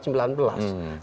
sekarang kita di